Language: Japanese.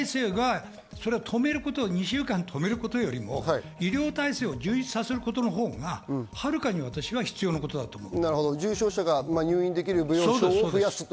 ２週間止めることより医療体制を充実させることのほうが、はるかに私は必要なことだと思う。